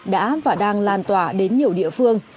đã và đang lan tỏa đến nhiều địa phương